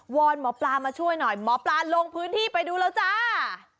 อนหมอปลามาช่วยหน่อยหมอปลาลงพื้นที่ไปดูแล้วจ้า